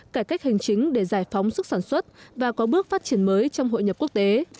cải cách hành chính để giải phóng sức sản xuất và có bước phát triển mới trong hội nhập quốc tế